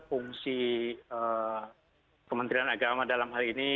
fungsi kementerian agama dalam hal ini